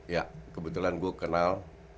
ya kebetulan gue kenal